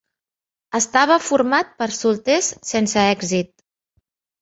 Estava format per solters sense èxit.